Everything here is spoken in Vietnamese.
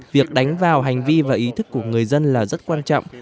việc đánh vào hành vi và ý thức của người dân là rất quan trọng